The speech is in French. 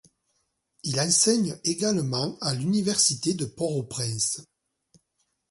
Il enseigne également à l'université de Port-au-Prince.